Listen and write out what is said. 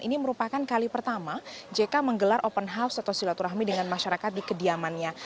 ini merupakan kali pertama jk menggelar open house atau silaturahmi dengan masyarakat di kediamannya